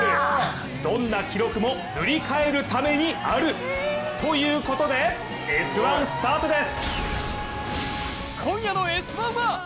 どんな記録も塗り替えるためにある、ということで、「Ｓ☆１」スタートです！